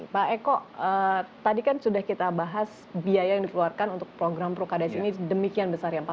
pak eko tadi kan sudah kita bahas biaya yang dikeluarkan untuk program prukades ini demikian besar ya empat puluh tujuh triliun rupiah